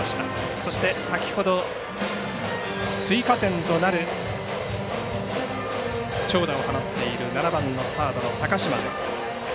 そして先ほど追加点となる長打を放っている７番のサードの高嶋です。